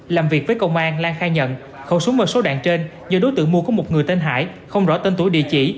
làm việc với công an lan khai nhận khẩu súng và số đạn trên do đối tượng mua của một người tên hải không rõ tên tuổi địa chỉ